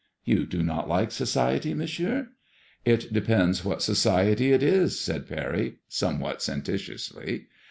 '' You do not like society. Monsieur ?*'^* It depends what society it is/' said Parry, somewhat senten tiously.